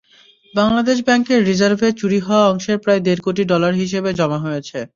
বাংলাদেশ ব্যাংকের রিজার্ভের চুরি হওয়া অংশের প্রায় দেড় কোটি ডলার হিসাবে জমা হয়েছে।